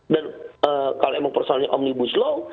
dan kalau emang persoalannya omnibus law